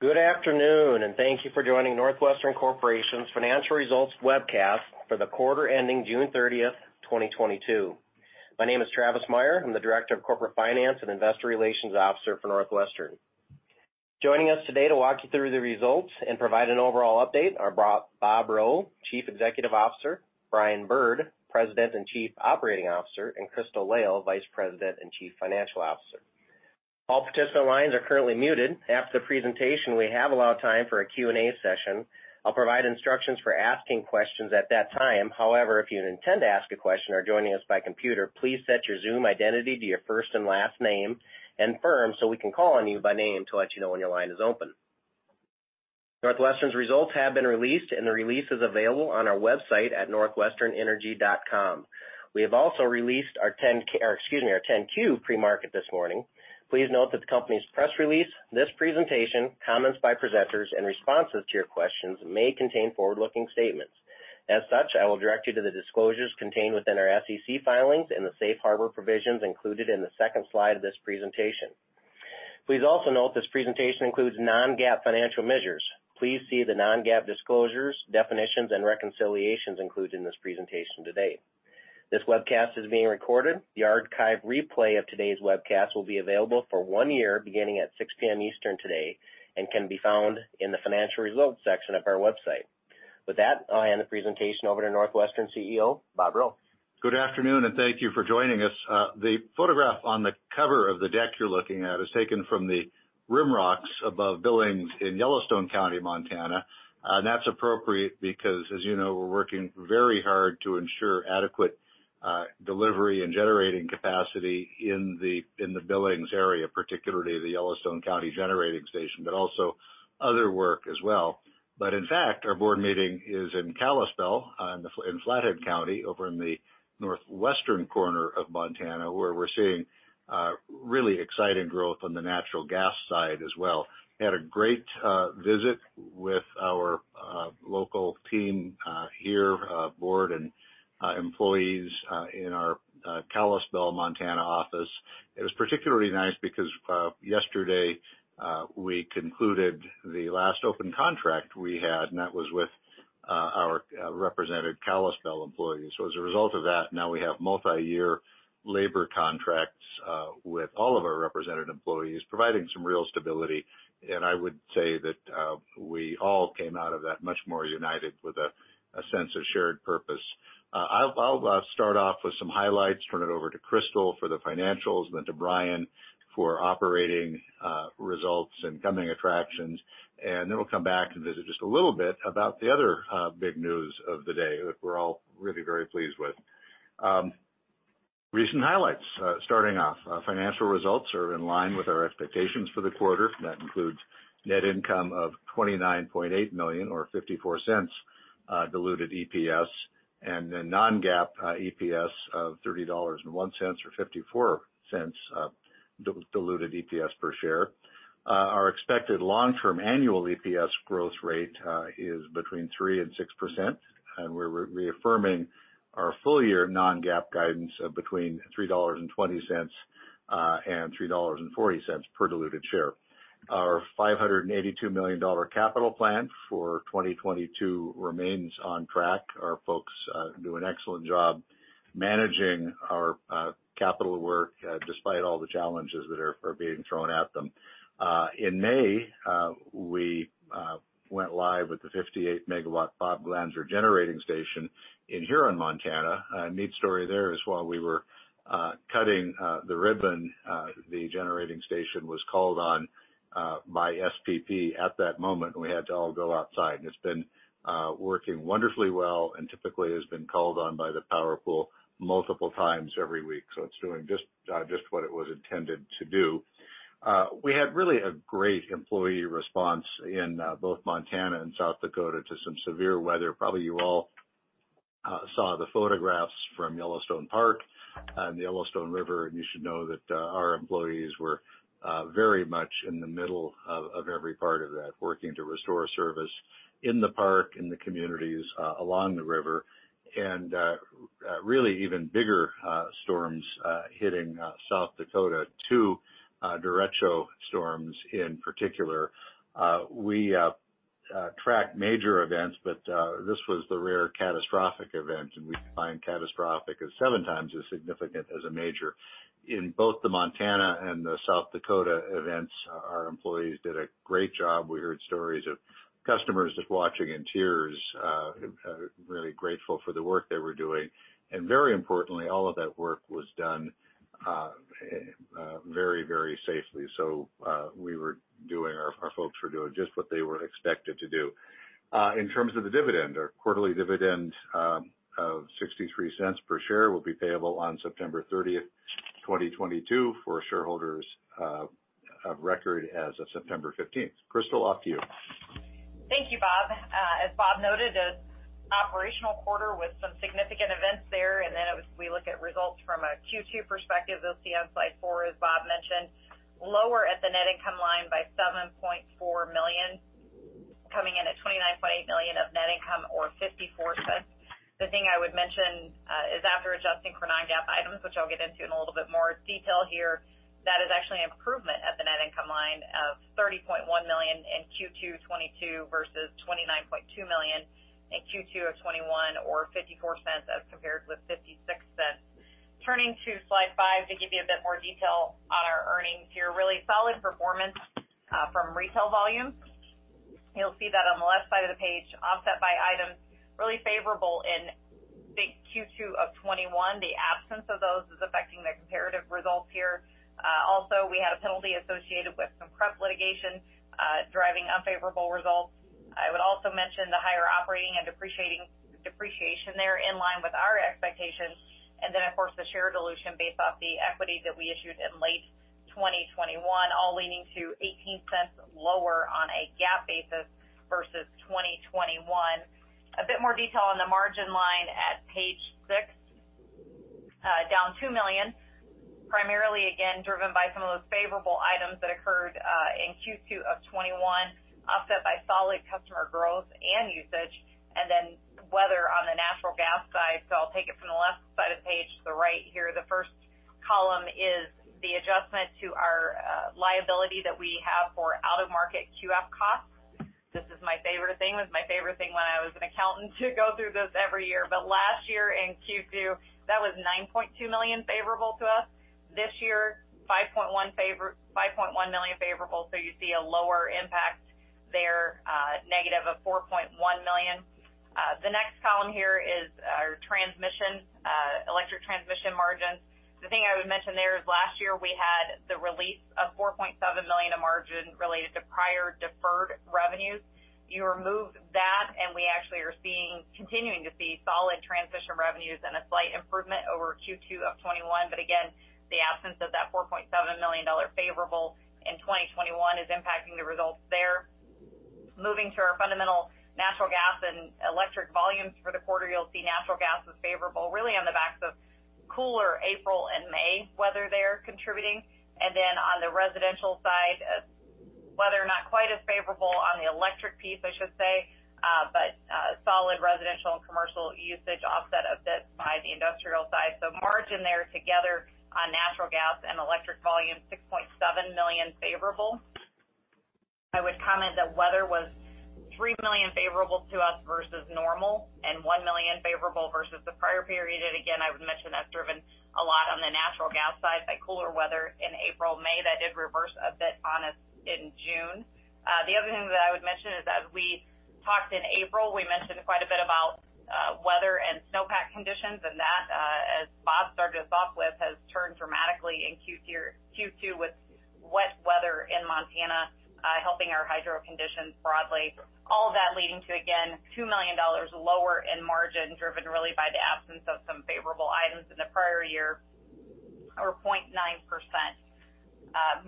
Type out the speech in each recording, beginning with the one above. Good afternoon, and thank you for joining NorthWestern Corporation's financial results webcast for the quarter ending June 30th, 2022. My name is Travis Meyer, I'm the Director of Corporate Finance and Investor Relations Officer for NorthWestern. Joining us today to walk you through the results and provide an overall update are Bob Rowe, Chief Executive Officer, Brian Bird, President and Chief Operating Officer, and Crystal Lail, Vice President and Chief Financial Officer. All participant lines are currently muted. After the presentation, we have allowed time for a Q&A session. I'll provide instructions for asking questions at that time. However, if you intend to ask a question or are joining us by computer, please set your Zoom identity to your first and last name and firm so we can call on you by name to let you know when your line is open. NorthWestern results have been released, and the release is available on our website at northwesternenergy.com. We have also released our 10-Q pre-market this morning. Please note that the company's press release, this presentation, comments by presenters, and responses to your questions may contain forward-looking statements. As such, I will direct you to the disclosures contained within our SEC filings and the safe harbor provisions included in the second slide of this presentation. Please also note this presentation includes non-GAAP financial measures. Please see the non-GAAP disclosures, definitions, and reconciliations included in this presentation today. This webcast is being recorded. The archive replay of today's webcast will be available for one year beginning at 6:00 P.M. Eastern today and can be found in the financial results section of our website. With that, I'll hand the presentation over to NorthWestern CEO, Bob Rowe. Good afternoon, and thank you for joining us. The photograph on the cover of the deck you're looking at is taken from the rimrocks above Billings in Yellowstone County, Montana. That's appropriate because, as you know, we're working very hard to ensure adequate delivery and generating capacity in the Billings area, particularly the Yellowstone County Generating Station, but also other work as well. In fact, our board meeting is in Kalispell in Flathead County, over in the northwestern corner of Montana, where we're seeing really exciting growth on the natural gas side as well. Had a great visit with our local team here, board and employees in our Kalispell, Montana office. It was particularly nice because yesterday we concluded the last open contract we had, and that was with our represented Kalispell employees. As a result of that, now we have multi-year labor contracts with all of our represented employees, providing some real stability. I would say that we all came out of that much more united with a sense of shared purpose. I'll start off with some highlights, turn it over to Crystal for the financials, and then to Brian for operating results and coming attractions. Then we'll come back to visit just a little bit about the other big news of the day that we're all really very pleased with. Recent highlights. Starting off, financial results are in line with our expectations for the quarter. That includes net income of $29.8 million or $0.54 diluted EPS, and a non-GAAP EPS of $3.01 or $0.54 diluted EPS per share. Our expected long-term annual EPS growth rate is between 3% and 6%, and we're reaffirming our full-year non-GAAP guidance of between $3.20 and $3.40 per diluted share. Our $582 million capital plan for 2022 remains on track. Our folks do an excellent job managing our capital work despite all the challenges that are being thrown at them. In May, we went live with the 58-MW Bob Glanzer Generating Station in Huron, South Dakota. Neat story there as while we were cutting the ribbon, the generating station was called on by SPP at that moment, and we had to all go outside. It's been working wonderfully well and typically has been called on by the power pool multiple times every week. It's doing just what it was intended to do. We had really a great employee response in both Montana and South Dakota to some severe weather. Probably you all saw the photographs from Yellowstone Park and the Yellowstone River, and you should know that our employees were very much in the middle of every part of that, working to restore service in the park and the communities along the river. Really even bigger storms hitting South Dakota, two derecho storms in particular. We track major events, but this was the rare catastrophic event, and we define catastrophic as seven times as significant as a major. In both the Montana and the South Dakota events, our employees did a great job. We heard stories of customers just watching in tears, really grateful for the work they were doing. Very importantly, all of that work was done very safely. Our folks were doing just what they were expected to do. In terms of the dividend, our quarterly dividend of $0.63 per share will be payable on September 30th, 2022 for shareholders of record as of September 15th. Crystal, off to you. Thank you, Bob. As Bob noted, an operational quarter with some significant events there, and then as we look at results from a Q2 perspective, you'll see on slide four, as Bob mentioned, lower at the net income line by $7.4 million, coming in at $29.8 million. The thing I would mention is after adjusting for non-GAAP items, which I'll get into in a little bit more detail here, that is actually an improvement at the net income line of $30.1 million in Q2 2022 versus $29.2 million in Q2 of 2021, or $0.54 as compared with $0.56. Turning to slide five to give you a bit more detail on our earnings here. Really solid performance from retail volumes. You'll see that on the left side of the page, offset by items really favorable in Q2 of 2021. The absence of those is affecting the comparative results here. Also, we had a penalty associated with some [PURPA] litigation, driving unfavorable results. I would also mention the higher operating and depreciation there in line with our expectations, and then of course, the share dilution based off the equity that we issued in late 2021, all leading to $0.18 lower on a GAAP basis versus 2021. A bit more detail on the margin line at page six, down $2 million, primarily again driven by some of those favorable items that occurred in Q2 of 2021, offset by solid customer growth and usage, and then weather on the natural gas side. I'll take it from the left side of the page to the right here. The first column is the adjustment to our liability that we have for out-of-market QF costs. This is my favorite thing. It was my favorite thing when I was an accountant to go through this every year. Last year in Q2, that was $9.2 million favorable to us. This year, $5.1 million favorable, so you see a lower impact there, negative of $4.1 million. The next column here is our transmission, electric transmission margins. The thing I would mention there is last year we had the release of $4.7 million of margin related to prior deferred revenues. You remove that, and we actually are continuing to see solid transmission revenues and a slight improvement over Q2 of 2021. Again, the absence of that $4.7 million favorable in 2021 is impacting the results there. Moving to our fundamental natural gas and electric volumes for the quarter, you'll see natural gas was favorable, really on the backs of cooler April and May weather there contributing. On the residential side, weather not quite as favorable on the electric piece, I should say, but solid residential and commercial usage offset a bit by the industrial side. Margin there together on natural gas and electric volume, $6.7 million favorable. I would comment that weather was $3 million favorable to us versus normal and $1 million favorable versus the prior period. Again, I would mention that's driven a lot on the natural gas side by cooler weather in April/May. That did reverse a bit on us in June. The other thing that I would mention is, as we talked in April, we mentioned quite a bit about weather and snowpack conditions, and that, as Bob started us off with, has turned dramatically in Q2 with wet weather in Montana, helping our hydro conditions broadly. All of that leading to, again, $2 million lower in margin, driven really by the absence of some favorable items in the prior year or 0.9%.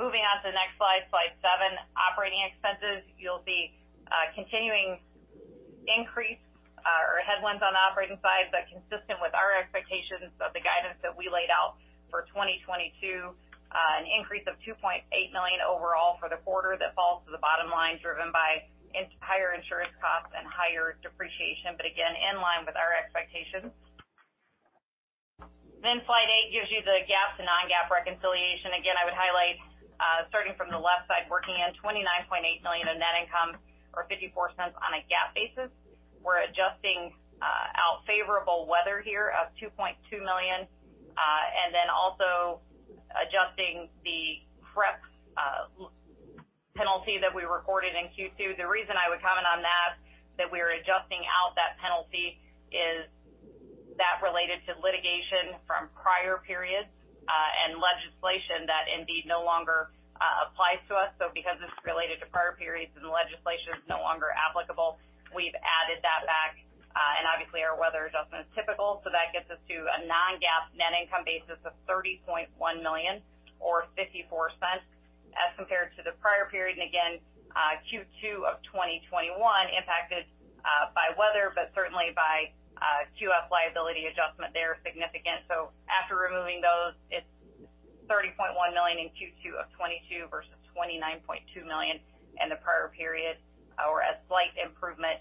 Moving on to the next slide seven, operating expenses. You'll see a continuing increase or headwinds on the operating side, but consistent with our expectations of the guidance that we laid out for 2022, an increase of $2.8 million overall for the quarter that falls to the bottom line, driven by higher insurance costs and higher depreciation, but again, in line with our expectations. Then slide eight gives you the GAAP to non-GAAP reconciliation. Again, I would highlight, starting from the left side, working in $29.8 million in net income or $0.54 on a GAAP basis. We're adjusting out favorable weather here of $2.2 million, and then also adjusting the PURPA penalty that we recorded in Q2. The reason I would comment on that we're adjusting out that penalty is that related to litigation from prior periods, and legislation that indeed no longer applies to us. Because this is related to prior periods and the legislation is no longer applicable, we've added that back. Obviously our weather adjustment is typical. That gets us to a non-GAAP net income basis of $30.1 million or $0.54 as compared to the prior period. Again, Q2 of 2021 impacted by weather, but certainly by a QF liability adjustment there, significant. After removing those, it's $30.1 million in Q2 of 2022 versus $29.2 million in the prior period or a slight improvement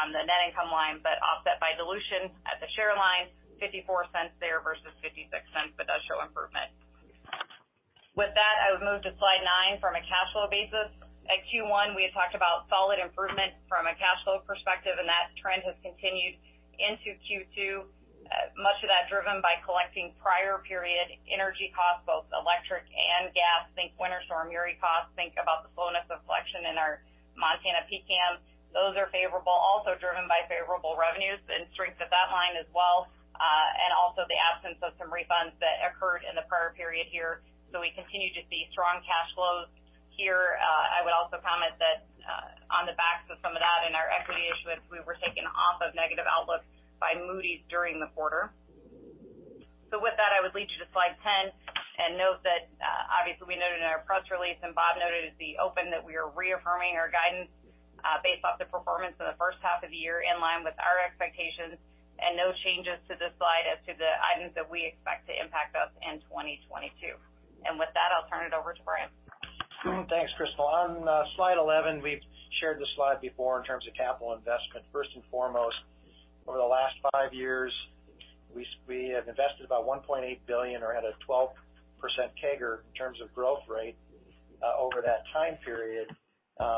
on the net income line, but offset by dilution at the share line, $0.54 there versus $0.56, but does show improvement. With that, I would move to slide nine from a cash flow basis. At Q1, we had talked about solid improvement from a cash flow perspective, and that trend has continued into Q2. Much of that driven by collecting prior period energy costs, both electric and gas. Think Winter Storm Uri costs, think about the slowness of collection in our Montana PCCAM. Those are favorable, also driven by favorable revenues and strength of that line as well, and also the absence of some refunds that occurred in the prior period here. We continue to see strong cash flows here. I would also comment that, on the backs of some of that in our equity issuance, we were taken off of negative outlook by Moody's during the quarter. With that, I would lead you to slide 10 and note that, obviously we noted in our press release and Bob noted at the open that we are reaffirming our guidance, based off the performance in the first half of the year, in line with our expectations and no changes to this slide as to the items that we expect to impact us in 2022. With that, I'll turn it over to Brian. On slide 11, we've shared this slide before in terms of capital investment. First and foremost, over the last five years, we have invested about $1.8 billion or had a 12% CAGR in terms of growth rate over that time period.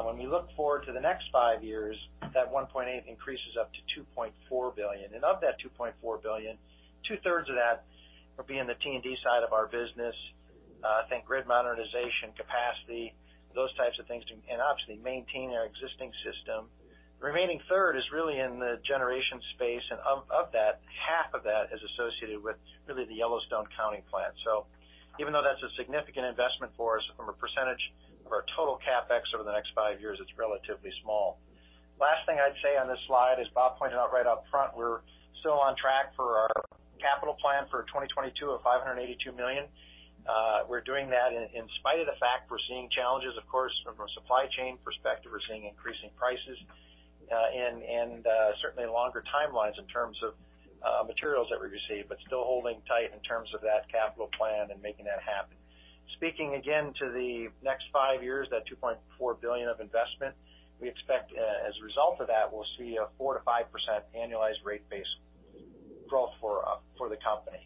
When we look forward to the next five years, that $1.8 billion increases up to $2.4 billion. Of that $2.4 billion, 2/3 of that will be in the T&D side of our business. I think grid modernization capacity, those types of things, and obviously maintaining our existing system. Remaining 1/3 is really in the generation space. Of that, half of that is associated with really the Yellowstone County plant. Even though that's a significant investment for us from a percentage of our total CapEx over the next five years, it's relatively small. Last thing I'd say on this slide, as Bob pointed out right up front, we're still on track for our capital plan for 2022 of $582 million. We're doing that in spite of the fact we're seeing challenges, of course, from a supply chain perspective. We're seeing increasing prices and certainly longer timelines in terms of materials that we receive, but still holding tight in terms of that capital plan and making that happen. Speaking again to the next five years, that $2.4 billion of investment, we expect, as a result of that, we'll see a 4%-5% annualized rate base growth for the company.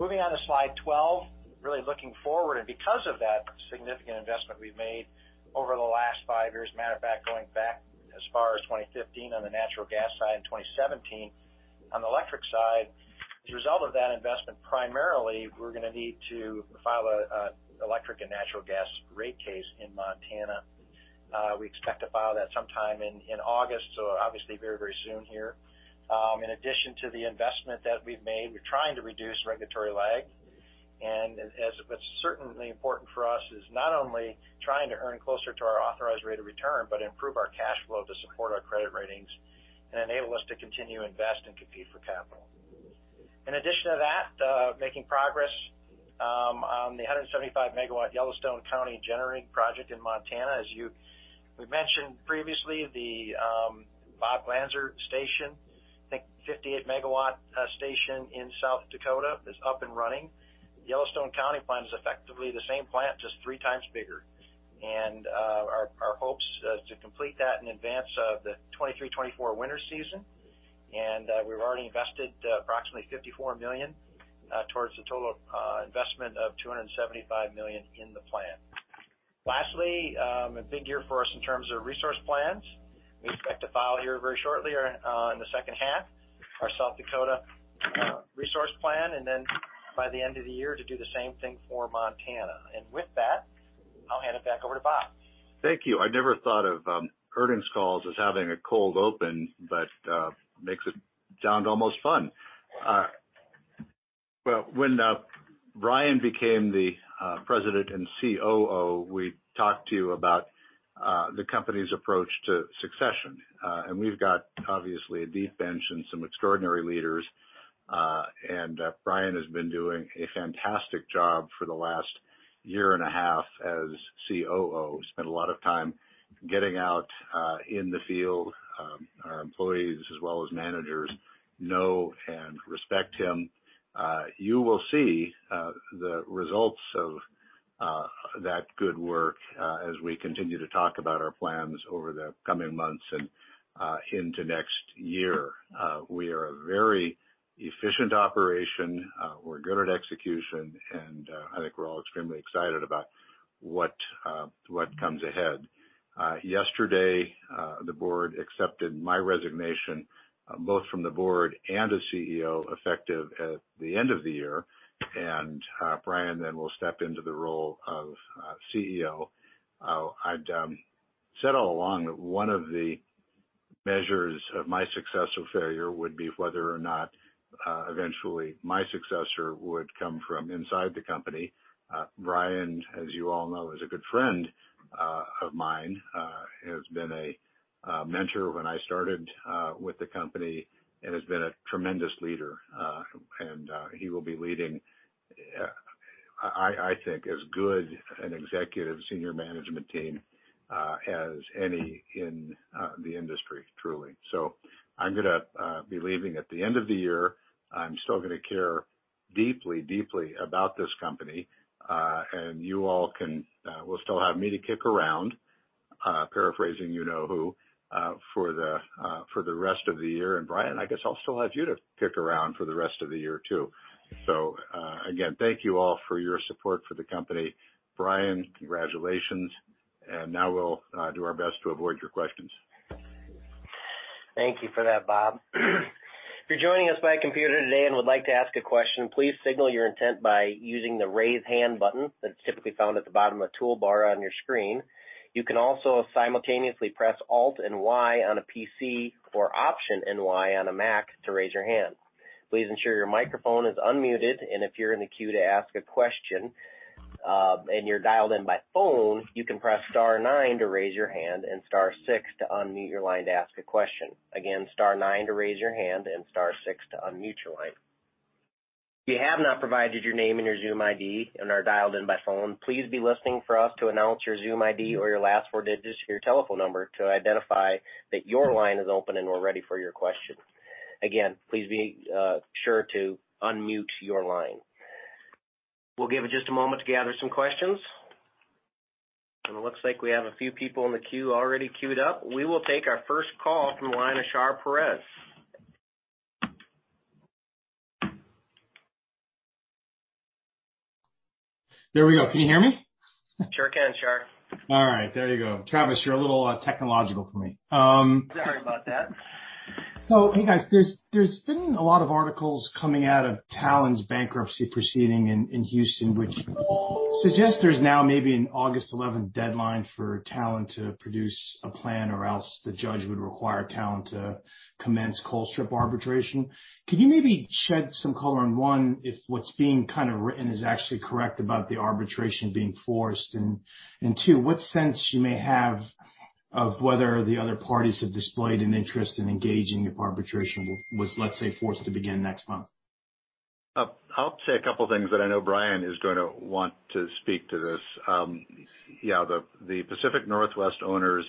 Moving on to slide 12, really looking forward, and because of that significant investment we've made over the last five years, matter of fact, going back as far as 2015 on the natural gas side, and 2017 on the electric side, the result of that investment, primarily, we're gonna need to file a electric and natural gas rate case in Montana. We expect to file that sometime in August, so obviously very, very soon here. In addition to the investment that we've made, we're trying to reduce regulatory lag. That's what's certainly important for us is not only trying to earn closer to our authorized rate of return, but improve our cash flow to support our credit ratings and enable us to continue to invest and compete for capital. In addition to that, making progress on the 175-MW Yellowstone County Generating Station in Montana. As we mentioned previously, the Bob Glanzer Station, I think 58-MW station in South Dakota is up and running. Yellowstone County plant is effectively the same plant, just three times bigger. Our hopes to complete that in advance of the 2023-2024 winter season. We've already invested approximately $54 million towards the total investment of $275 million in the plant. Lastly, a big year for us in terms of resource plans. We expect to file here very shortly or, in the second half, our South Dakota resource plan, and then by the end of the year to do the same thing for Montana. With that, I'll hand it back over to Bob. Thank you. I never thought of earnings calls as having a cold open, but makes it sound almost fun. Well, when Brian became the president and COO, we talked to you about the company's approach to succession. We've got obviously a deep bench and some extraordinary leaders. Brian has been doing a fantastic job for the last year and a half as COO, spent a lot of time getting out in the field. Our employees as well as managers know and respect him. You will see the results of that good work as we continue to talk about our plans over the coming months and into next year. We are a very efficient operation. We're good at execution, and I think we're all extremely excited about what comes ahead. Yesterday, the board accepted my resignation, both from the board and as CEO, effective at the end of the year. Brian then will step into the role of CEO. I'd said all along that one of the measures of my success or failure would be whether or not eventually my successor would come from inside the company. Brian, as you all know, is a good friend of mine, has been a mentor when I started with the company and has been a tremendous leader. He will be leading I think as good an executive senior management team as any in the industry, truly. I'm gonna be leaving at the end of the year. I'm still gonna care deeply about this company. You all will still have me to kick around, paraphrasing you know who, for the rest of the year. Brian, I guess I'll still have you to kick around for the rest of the year too. Again, thank you all for your support for the company. Brian, congratulations, and now we'll do our best to avoid your questions. Thank you for that, Bob. If you're joining us by computer today and would like to ask a question, please signal your intent by using the raise hand button that's typically found at the bottom of the toolbar on your screen. You can also simultaneously press Alt and Y on a PC or option and Y on a Mac to raise your hand. Please ensure your microphone is unmuted, and if you're in the queue to ask a question, and you're dialed in by phone, you can press star nine to raise your hand and star six to unmute your line to ask a question. Again, star nine to raise your hand and star six to unmute your line. If you have not provided your name and your Zoom ID and are dialed in by phone, please be listening for us to announce your Zoom ID or your last four digits of your telephone number to identify that your line is open and we're ready for your question. Again, please be sure to unmute your line. We'll give it just a moment to gather some questions. It looks like we have a few people in the queue already queued up. We will take our first call from the line of Shar Pourreza. There we go. Can you hear me? Sure can, Shar. All right. There you go. Travis, you're a little technological for me. Sorry about that. Hey, guys, there's been a lot of articles coming out of Talen's bankruptcy proceeding in Houston which suggests there's now maybe an August 11 deadline for Talen to produce a plan or else the judge would require Talen to commence Colstrip arbitration. Can you maybe shed some color on, one, if what's being kind of written is actually correct about the arbitration being forced? And two, what sense you may have of whether the other parties have displayed an interest in engaging if arbitration was, let's say, forced to begin next month? I'll say a couple of things, but I know Brian is going to want to speak to this. Yeah, the Pacific Northwest owners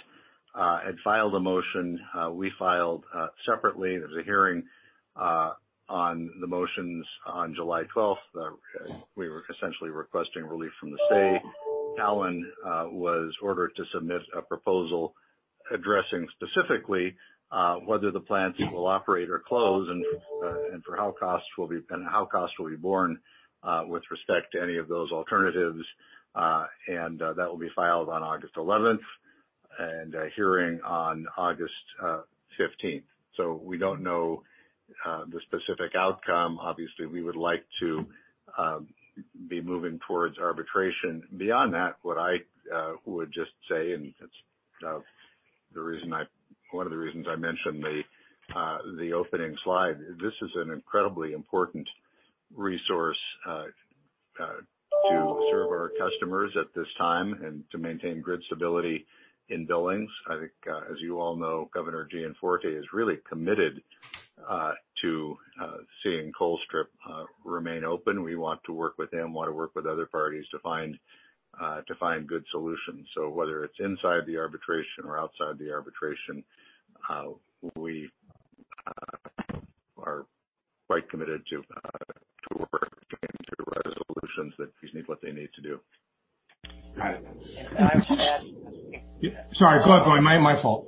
had filed a motion. We filed separately. There was a hearing on the motions on July 12th. Yeah. We were essentially requesting relief from the state. Talen was ordered to submit a proposal addressing specifically whether the plants will operate or close and how costs will be borne with respect to any of those alternatives. That will be filed on August 11th, and a hearing on August 15th. We don't know the specific outcome. Obviously, we would like to be moving towards arbitration. Beyond that, what I would just say, and it's one of the reasons I mentioned the opening slide, this is an incredibly important resource to serve our customers at this time and to maintain grid stability in Billings. I think, as you all know, Governor Gianforte is really committed to seeing Colstrip remain open. We want to work with him and other parties to find good solutions. Whether it's inside the arbitration or outside the arbitration, we are quite committed to working to come to resolutions that meet what they need to do. Got it. I'll just add. Sorry, go ahead, Brian. My fault.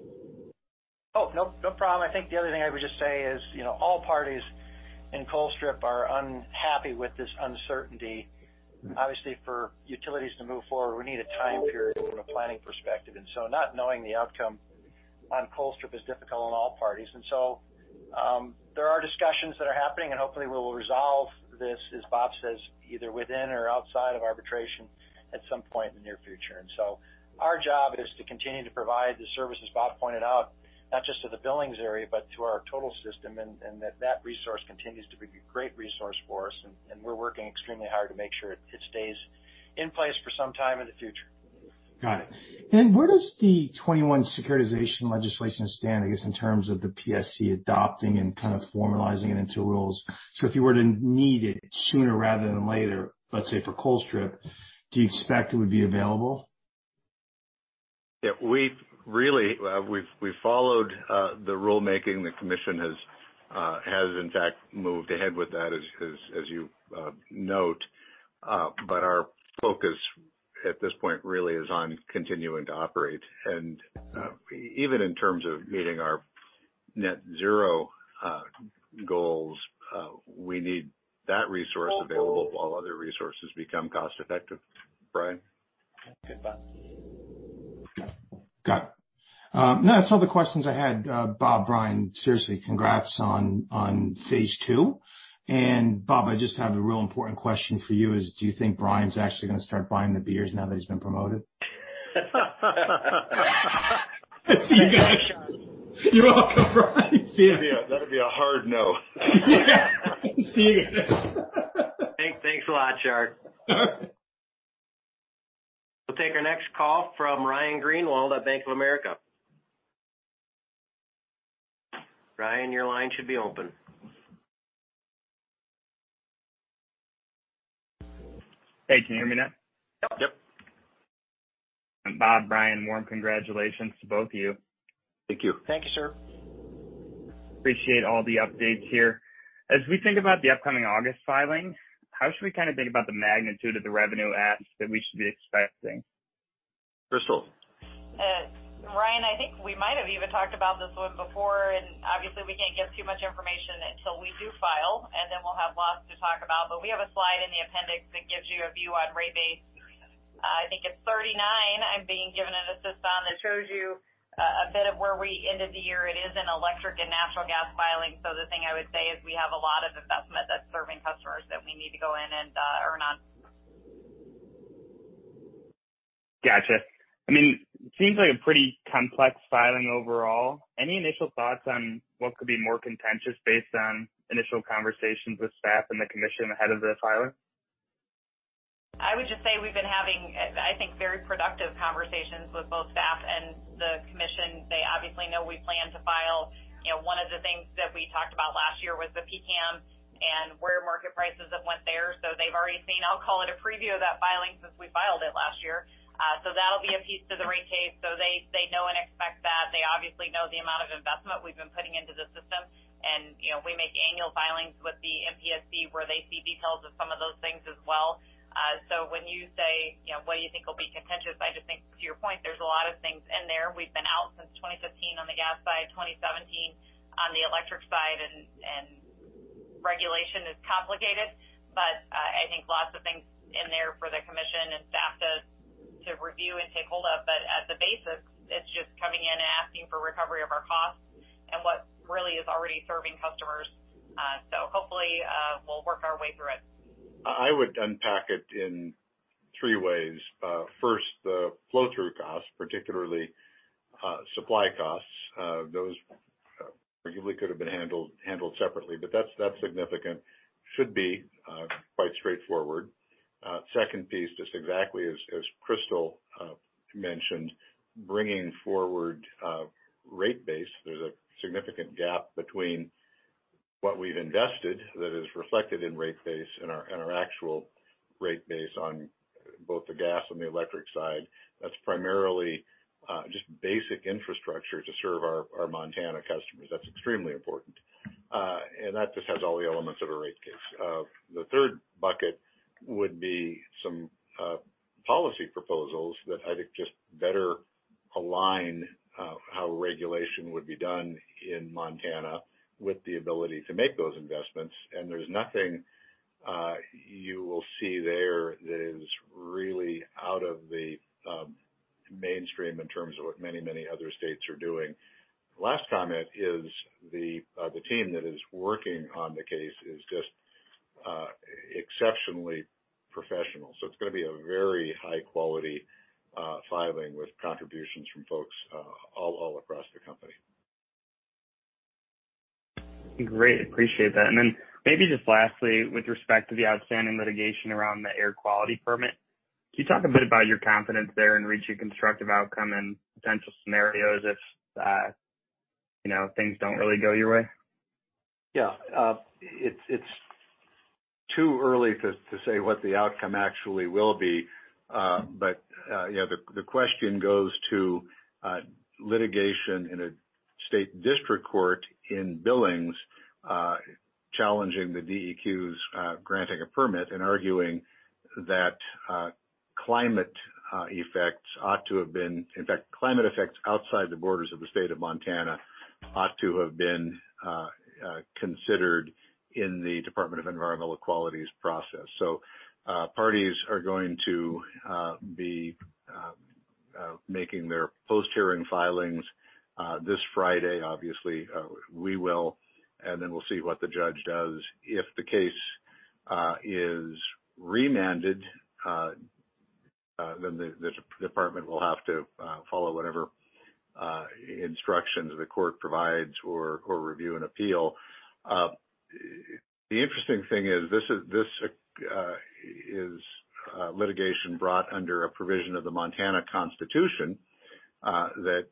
Oh, no problem. I think the other thing I would just say is, you know, all parties in Colstrip are unhappy with this uncertainty. Mm-hmm. Obviously, for utilities to move forward, we need a time period from a planning perspective. Not knowing the outcome on Colstrip is difficult on all parties. There are discussions that are happening, and hopefully we will resolve this, as Bob says, either within or outside of arbitration at some point in the near future. Our job is to continue to provide the services Bob pointed out, not just to the Billings area, but to our total system, and that resource continues to be a great resource for us, and we're working extremely hard to make sure it stays in place for some time in the future. Got it. Where does the 2021 securitization legislation stand, I guess, in terms of the PSC adopting and kind of formalizing it into rules? If you were to need it sooner rather than later, let's say for Colstrip, do you expect it would be available? Yeah. We've really followed the rulemaking. The commission has in fact moved ahead with that as you note. Our focus at this point really is on continuing to operate. Even in terms of meeting our net zero goals, we need that resource available while other resources become cost-effective. Brian? Okay, Bob. Got it. No, that's all the questions I had. Bob, Brian, seriously, congrats on phase two. Bob, I just have a real important question for you, is do you think Brian's actually gonna start buying the beers now that he's been promoted? See you, guys. You're welcome, Brian. See you. That'd be a hard no. See you. Thanks a lot, Shar. We'll take our next call from Ryan Greenwald at Bank of America. Ryan, your line should be open. Hey, can you hear me now? Yep. Bob, Brian, warm congratulations to both of you. Thank you. Thank you, sir. Appreciate all the updates here. As we think about the upcoming August filing, how should we kind of think about the magnitude of the revenue asks that we should be expecting? Crystal? Ryan, I think we might have even talked about this one before, and obviously we can't give too much information until we do file, and then we'll have lots to talk about. We have a slide in the appendix that gives you a view on rate base. I think it's 39, I'm being given an assist on, that shows you a bit of where we ended the year. It is an electric and natural gas filing, so the thing I would say is we have a lot of investment that's serving customers that we need to go in and earn on. Gotcha. I mean, seems like a pretty complex filing overall. Any initial thoughts on what could be more contentious based on initial conversations with staff and the commission ahead of the filing? I would just say we've been having, I think, very productive conversations with both staff and the commission. They obviously know we plan to file. You know, one of the things that we talked about last year was the PCCAM and where market prices have went there. They've already seen, I'll call it a preview of that filing since we filed it last year. That'll be a piece to the rate case. They know. You know, we make annual filings with the MPSC where they see details of some of those things as well. When you say, you know, what you think will be contentious, I just think to your point, there's a lot of things in there. We've been out since 2015 on the gas side, 2017 on the electric side, and regulation is complicated. I think lots of things in there for the commission and staff to review and take hold of. At the basics, it's just coming in and asking for recovery of our costs and what really is already serving customers. Hopefully, we'll work our way through it. I would unpack it in three ways. First, the flow-through costs, particularly, supply costs, those arguably could have been handled separately, but that's significant. It should be quite straightforward. Second piece, just exactly as Crystal mentioned, bringing forward rate base. There's a significant gap between what we've invested that is reflected in rate base and our actual rate base on both the gas and the electric side. That's primarily just basic infrastructure to serve our Montana customers. That's extremely important. That just has all the elements of a rate case. The third bucket would be some policy proposals that I think just better align how regulation would be done in Montana with the ability to make those investments. There's nothing you will see there that is really out of the mainstream in terms of what many other states are doing. Last comment is the team that is working on the case is just exceptionally professional. It's gonna be a very high-quality filing with contributions from folks all across the company. Great. Appreciate that. Then maybe just lastly, with respect to the outstanding litigation around the air quality permit, can you talk a bit about your confidence there in reaching a constructive outcome and potential scenarios if you know, things don't really go your way? Yeah. It's too early to say what the outcome actually will be. But yeah, the question goes to litigation in a state district court in Billings, challenging the DEQ's granting a permit and arguing that, in fact, climate effects outside the borders of the State of Montana ought to have been considered in the Department of Environmental Quality's process. Parties are going to be making their post-hearing filings this Friday. Obviously, we will, and then we'll see what the judge does. If the case is remanded, then the department will have to follow whatever instructions the court provides or court review and appeal. The interesting thing is litigation brought under a provision of the Montana Constitution that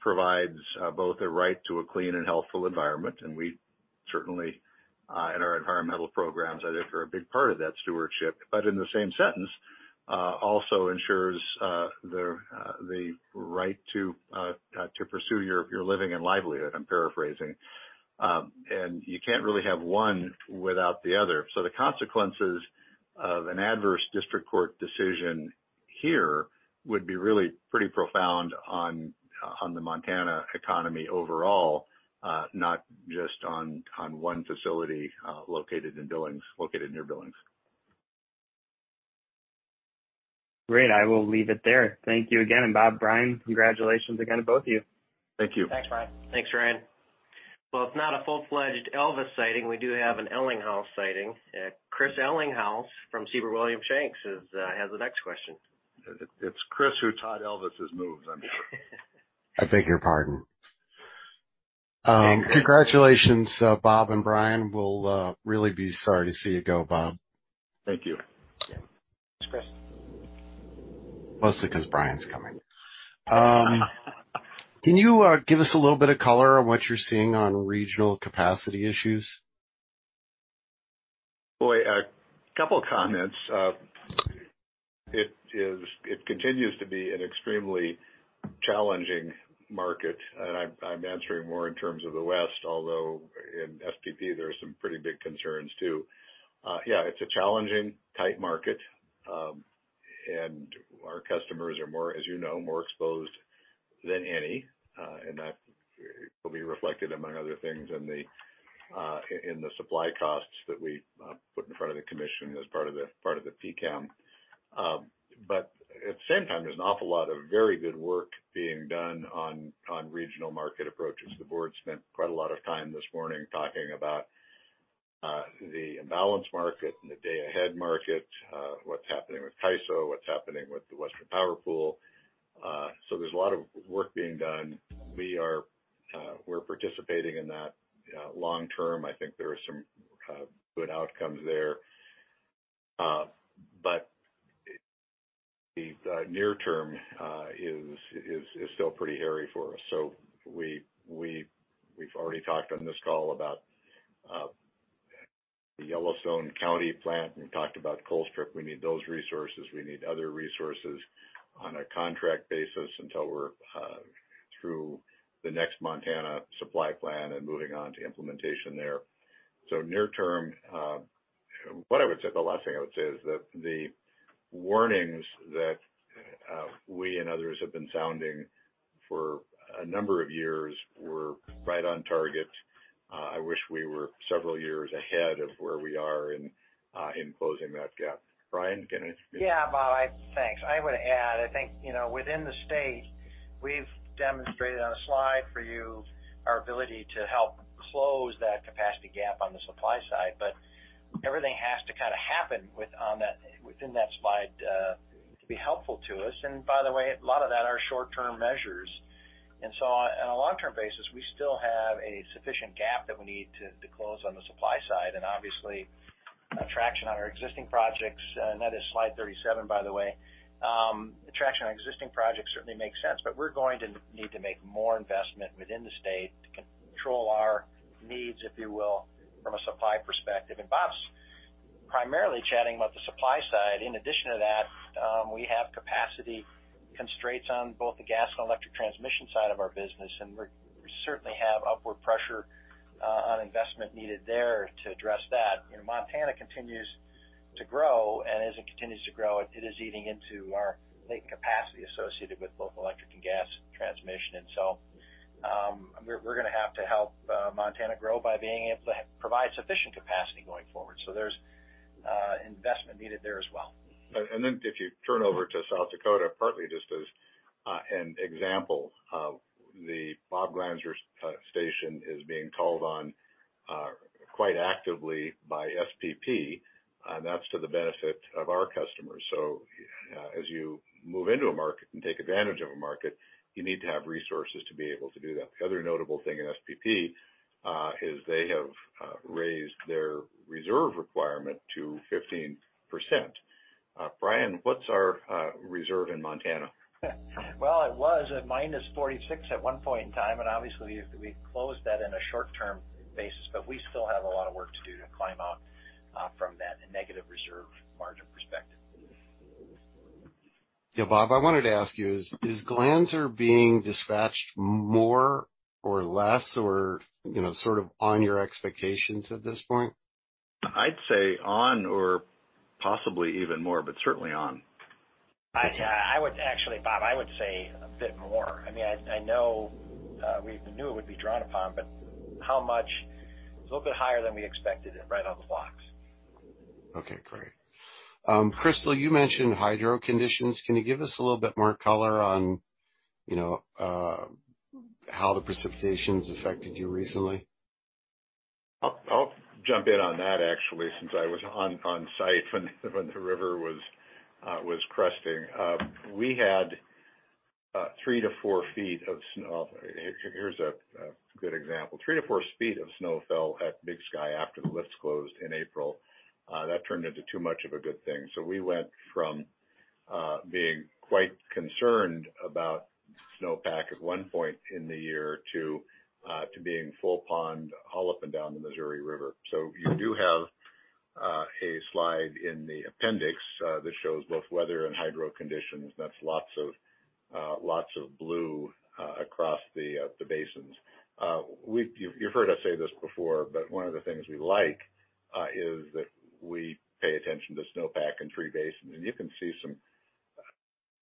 provides both a right to a clean and healthful environment, and we certainly in our environmental programs I think are a big part of that stewardship. In the same sentence also ensures the right to pursue your living and livelihood. I'm paraphrasing. You can't really have one without the other. The consequences of an adverse district court decision here would be really pretty profound on the Montana economy overall, not just on one facility located near Billings. Great. I will leave it there. Thank you again. Bob, Brian, congratulations again to both of you. Thank you. Thanks, Ryan. Thanks, Ryan. Well, it's not a full-fledged Elvis sighting. We do have an Ellinghaus sighting. Chris Ellinghaus from Siebert Williams Shank has the next question. It's Chris who taught Elvis his moves, I'm sure. I beg your pardon. Congratulations, Bob and Brian. We'll really be sorry to see you go, Bob. Thank you. Thanks, Chris. Mostly 'cause Brian's coming. Can you give us a little bit of color on what you're seeing on regional capacity issues? Boy, a couple comments. It continues to be an extremely challenging market. I'm answering more in terms of the West, although in SPP there are some pretty big concerns too. Yeah, it's a challenging, tight market, and our customers are more exposed than any, as you know. That will be reflected, among other things, in the supply costs that we put in front of the commission as part of the PCCAM. But at the same time, there's an awful lot of very good work being done on regional market approaches. The board spent quite a lot of time this morning talking about the imbalance market and the day-ahead market, what's happening with CAISO, what's happening with the Western Power Pool. There's a lot of work being done. We're participating in that. Long-term, I think there are some good outcomes there. The near-term is still pretty hairy for us. We've already talked on this call about the Yellowstone County plant, we talked about Colstrip. We need those resources. We need other resources on a contract basis until we're through the next Montana supply plan and moving on to implementation there. Near-term, what I would say, the last thing I would say is that the warnings that we and others have been sounding for a number of years were right on target. I wish we were several years ahead of where we are in closing that gap. Brian, can you- Yeah, Bob, thanks. I would add, I think, you know, within the state, we've demonstrated on a slide for you our ability to help close that capacity gap on the supply side, but everything has to kind of happen within that slide to be helpful to us. By the way, a lot of that are short-term measures. On a long-term basis, we still have a sufficient gap that we need to close on the supply side. Obviously, traction on our existing projects, and that is slide 37, by the way. Traction on existing projects certainly makes sense, but we're going to need to make more investment within the state to control our needs, if you will, from a supply perspective. Bob's primarily chatting about the supply side. In addition to that, we have capacity constraints on both the gas and electric transmission side of our business, and we certainly have upward pressure on investment needed there to address that. You know, Montana continues to grow, and as it continues to grow, it is eating into our latent capacity associated with both electric and gas transmission. We're gonna have to help Montana grow by being able to provide sufficient capacity going forward. There's investment needed there as well. If you turn over to South Dakota, partly just as an example of the Bob Glanzer Generating Station is being called on quite actively by SPP, that's to the benefit of our customers. As you move into a market and take advantage of a market, you need to have resources to be able to do that. The other notable thing in SPP is they have raised their reserve requirement to 15%. Brian, what's our reserve in Montana? Well, it was at -46 at one point in time, and obviously we closed that in a short-term basis, but we still have a lot of work to do to climb out from that negative reserve margin perspective. Yeah. Bob, I wanted to ask you, is Glanzer being dispatched more or less or, you know, sort of on your expectations at this point? I'd say on or possibly even more, but certainly on. Yeah, I would actually, Bob, I would say a bit more. I mean, I know we knew it would be drawn upon, but how much? A little bit higher than we expected and right on the blocks. Okay, great. Crystal, you mentioned hydro conditions. Can you give us a little bit more color on, you know, how the precipitation's affected you recently? I'll jump in on that, actually, since I was on site when the river was cresting. We had 3 ft- 4 ft of snow. Here's a good example. 3 ft- 4 ft of snow fell at Big Sky after the lifts closed in April. That turned into too much of a good thing. We went from being quite concerned about snowpack at one point in the year to being full pond all up and down the Missouri River. You do have a slide in the appendix that shows both weather and hydro conditions. That's lots of blue across the basins. You've heard us say this before, but one of the things we like is that we pay attention to snowpack and three basins. You can see some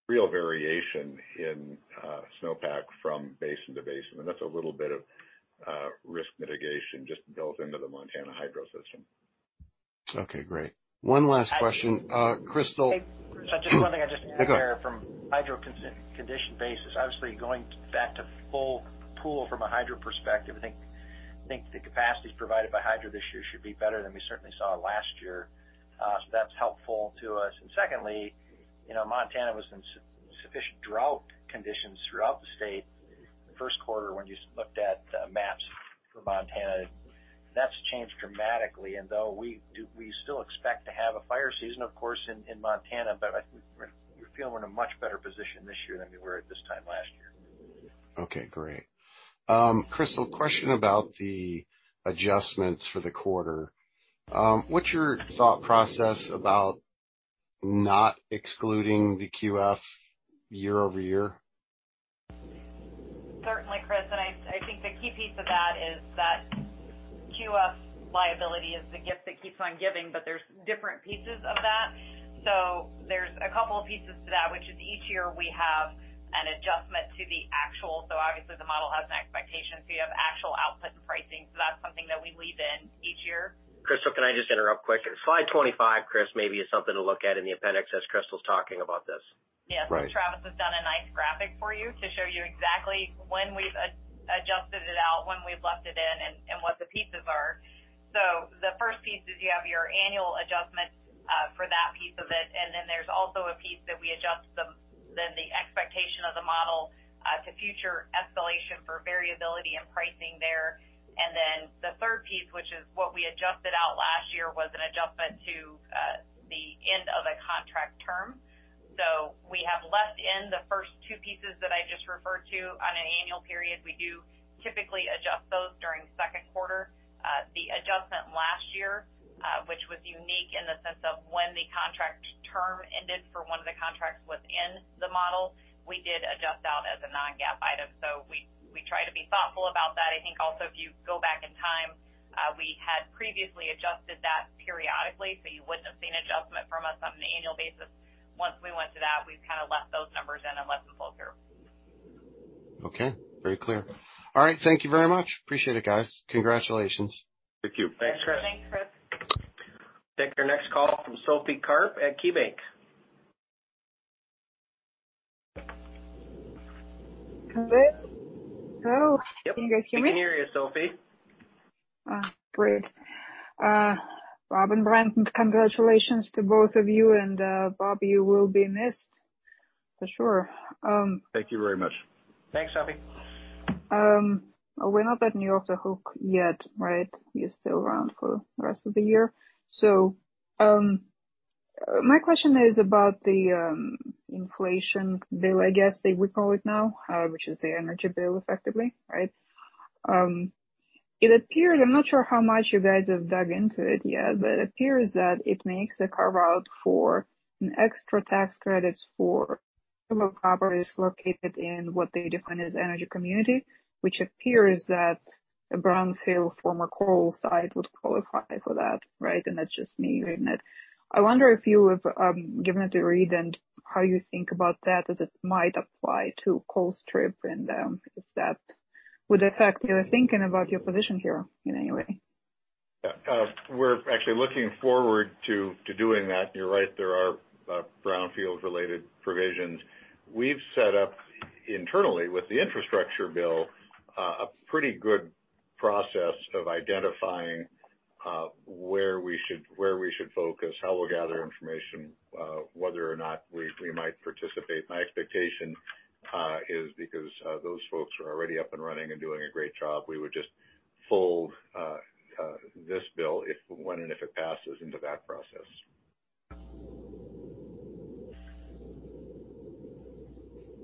real variation in snowpack from basin to basin. That's a little bit of risk mitigation just built into the Montana hydro system. Okay, great. One last question. Crystal- Just one thing I just add there from hydro condition basis, obviously going back to full pool from a hydro perspective, I think the capacities provided by hydro this year should be better than we certainly saw last year. So that's helpful to us. Secondly, you know, Montana was in sufficient drought conditions throughout the state first quarter when you looked at maps for Montana. That's changed dramatically. Though we still expect to have a fire season, of course, in Montana, but we feel we're in a much better position this year than we were at this time last year. Okay, great. Crystal, question about the adjustments for the quarter. What's your thought process about not excluding the QF year-over-year? Certainly, Chris. I think the key piece of that is that QF liability is the gift that keeps on giving, but there's different pieces of that. There's a couple of pieces to that, which is each year we have an adjustment to the actual. Obviously the model has an expectation, so you have actual output and pricing. That's something that we leave in each year. Crystal, can I just interrupt quick? Slide 25, Chris, maybe is something to look at in the appendix as Crystal's talking about this. Yes. Right. Travis has done a nice graphic for you to show you exactly when we've adjusted it out, when we've left it in, and what the pieces are. The first piece is you have your annual adjustments for that piece of it. There's also a piece that we adjust then the expectation of the model to future escalation for variability and pricing there. The third piece, which is what we adjusted out last year, was an adjustment. In the first two pieces that I just referred to on an annual period, we do typically adjust those during second quarter. The adjustment last year, which was unique in the sense of when the contract term ended for one of the contracts within the model, we did adjust out as a non-GAAP item. We try to be thoughtful about that. I think also if you go back in time, we had previously adjusted that periodically, so you wouldn't have seen adjustment from us on an annual basis. Once we went to that, we've kind of left those numbers in and let them flow through. Okay. Very clear. All right. Thank you very much. Appreciate it, guys. Congratulations. Thank you. Thanks, Chris. Take your next call from Sophie Karp at KeyBanc. Hello? Hello. Can you guys hear me? Yep, we can hear you, Sophie. Oh, great. Bob and Brian, congratulations to both of you. Bob, you will be missed for sure. Thank you very much. Thanks, Sophie. We're not off the hook yet, right? You're still around for the rest of the year. My question is about the inflation bill, I guess that we call it now, which is the energy bill, effectively, right? It appeared. I'm not sure how much you guys have dug into it yet, but it appears that it makes a carve-out for an extra tax credits for similar properties located in what they define as energy community, which appears that a brownfield former coal site would qualify for that, right? That's just me reading it. I wonder if you have given it a read and how you think about that as it might apply to Colstrip, and if that would affect your thinking about your position here in any way. Yeah. We're actually looking forward to doing that. You're right, there are brownfields related provisions. We've set up internally with the infrastructure bill a pretty good process of identifying where we should focus, how we'll gather information, whether or not we might participate. My expectation is because those folks are already up and running and doing a great job, we would just fold this bill if, when and if it passes into that process.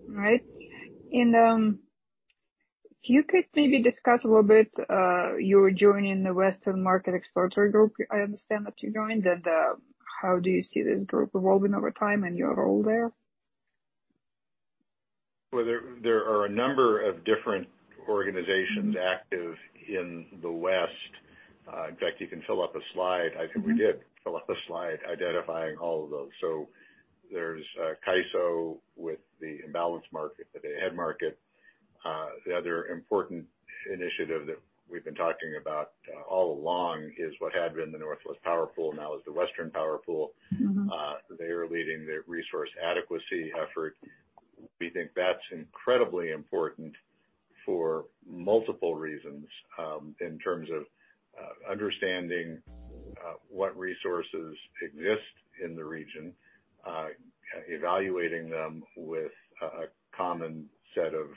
All right. If you could maybe discuss a little bit, your joining the Western Markets Exploratory Group. I understand that you joined. How do you see this group evolving over time and your role there? Well, there are a number of different organizations active in the West. In fact, you can fill up a slide. I think we did fill up a slide identifying all of those. There's CAISO with the imbalance market, the day-ahead market. The other important initiative that we've been talking about all along is what had been the Northwest Power Pool, now is the Western Power Pool. Mm-hmm. They are leading the resource adequacy effort. We think that's incredibly important for multiple reasons, in terms of understanding what resources exist in the region, evaluating them with a common set of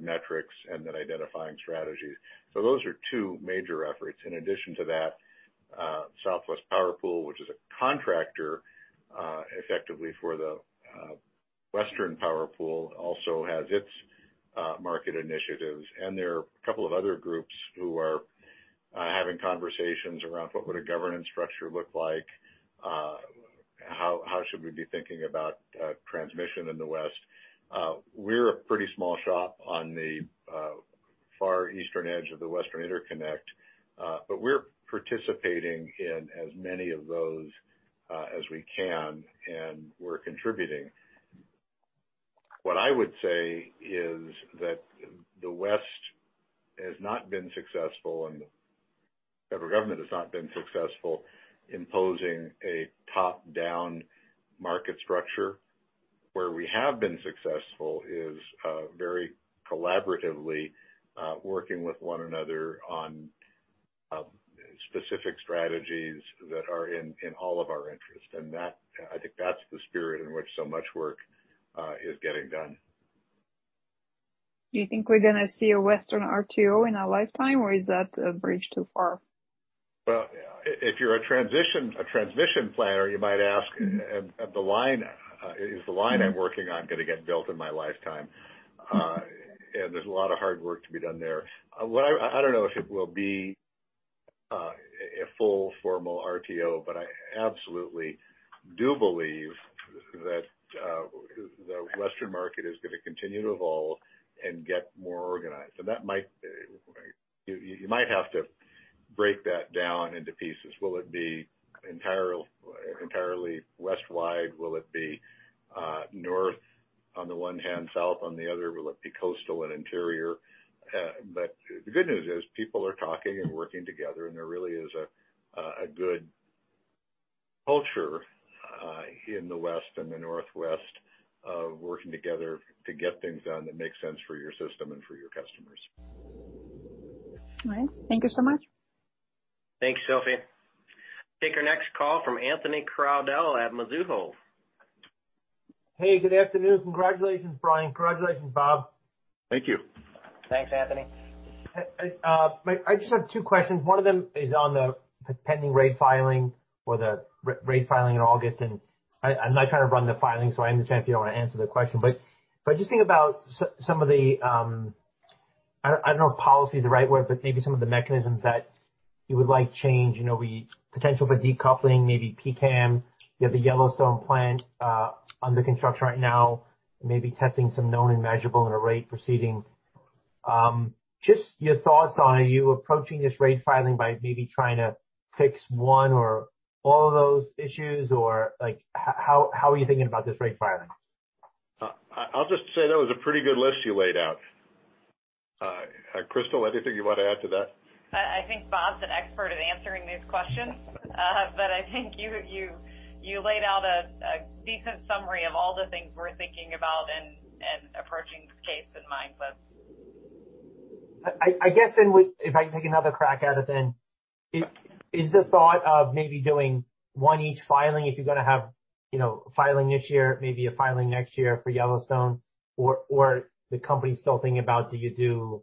metrics and then identifying strategies. Those are two major efforts. In addition to that, Southwest Power Pool, which is a contractor, effectively for the Western Power Pool, also has its market initiatives. There are a couple of other groups who are having conversations around what would a governance structure look like? How should we be thinking about transmission in the West? We're a pretty small shop on the far eastern edge of the Western Interconnect, but we're participating in as many of those as we can, and we're contributing. What I would say is that the West has not been successful and the federal government has not been successful imposing a top-down market structure. Where we have been successful is very collaboratively working with one another on specific strategies that are in all of our interests. That, I think that's the spirit in which so much work is getting done. Do you think we're gonna see a Western RTO in our lifetime, or is that a bridge too far? Well, if you're a transmission planner, you might ask if the line is the line I'm working on gonna get built in my lifetime. There's a lot of hard work to be done there. I don't know if it will be a full formal RTO, but I absolutely do believe that the Western market is gonna continue to evolve and get more organized. That might, you might have to break that down into pieces. Will it be entirely West wide? Will it be north on the one hand, south on the other? Will it be coastal and interior? The good news is people are talking and working together, and there really is a good culture in the West and the Northwest of working together to get things done that make sense for your system and for your customers. All right. Thank you so much. Thanks, Sophie. Take our next call from Anthony Crowdell at Mizuho. Hey, good afternoon. Congratulations, Brian. Congratulations, Bob. Thank you. Thanks, Anthony. Mike, I just have two questions. One of them is on the pending rate filing or the rate filing in August. I'm not trying to run the filing, so I understand if you don't wanna answer the question, but if I just think about some of the, I don't know if policy is the right word, but maybe some of the mechanisms that you would like changed, you know, the potential for decoupling, maybe PCAM. You have the Yellowstone plant under construction right now, maybe testing some known and measurable in a rate proceeding. Just your thoughts on are you approaching this rate filing by maybe trying to fix one or all of those issues, or like, how are you thinking about this rate filing? I'll just say that was a pretty good list you laid out. Crystal, anything you want to add to that? I think Bob's an expert at answering these questions. I think you laid out a decent summary of all the things we're thinking about and approaching this case in mind with. I guess if I can take another crack at it, then. Is the thought of maybe doing one each filing if you're gonna have, you know, a filing this year, maybe a filing next year for Yellowstone or the company still thinking about do you do,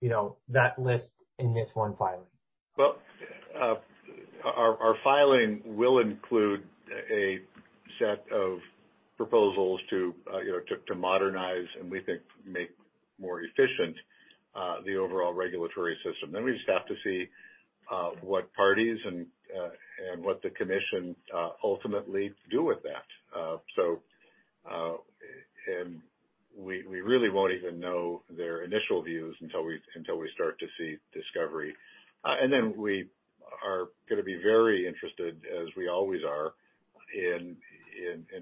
you know, that list in this one filing? Well, our filing will include a set of proposals to, you know, to modernize and we think make more efficient, the overall regulatory system. We just have to see what parties and what the commission ultimately do with that. We really won't even know their initial views until we start to see discovery. We are gonna be very interested, as we always are, in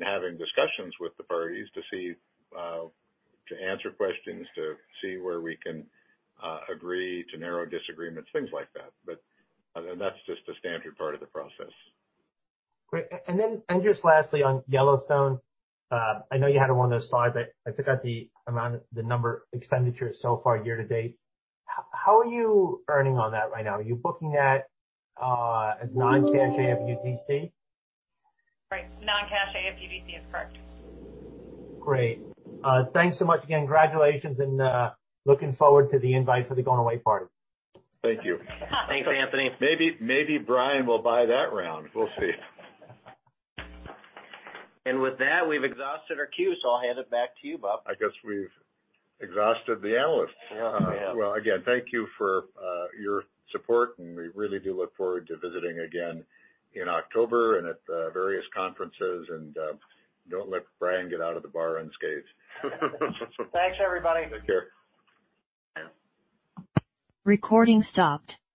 having discussions with the parties to see, to answer questions, to see where we can agree to narrow disagreements, things like that. That's just a standard part of the process. Great. Just lastly, on Yellowstone, I know you had it on those slides, but I forgot the amount, the number of expenditures so far year to date. How are you earning on that right now? Are you booking that as non-cash AFUDC? Right. Non-cash AFUDC is correct. Great. Thanks so much again. Congratulations and, looking forward to the invite for the going away party. Thank you. Thanks, Anthony. Maybe Brian will buy that round. We'll see. With that, we've exhausted our queue, so I'll hand it back to you, Bob. I guess we've exhausted the analysts. Yeah, we have. Well, again, thank you for your support, and we really do look forward to visiting again in October and at the various conferences and don't let Brian get out of the bar unscathed. Thanks, everybody. Take care.